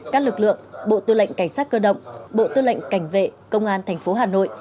các lực lượng bộ tư lệnh cảnh sát cơ động bộ tư lệnh cảnh vệ công an thành phố hà nội